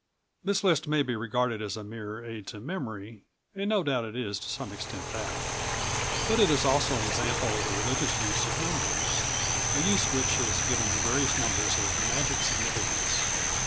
This list may be regarded as a mere aid to memory, and no doubt it is to some extent that. But it is also an example of the religious use of numbers a use which has given various numbers a magic significance.